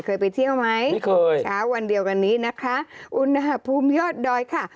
เคยไปเที่ยวไหมไม่เคยเช้าวันเดียวกันนี้นะคะอุณหภูมิยอดดอยค่ะ